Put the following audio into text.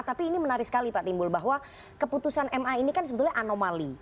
tapi ini menarik sekali pak timbul bahwa keputusan ma ini kan sebetulnya anomali